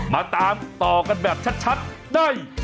มาตามต่อกันแบบชัดได้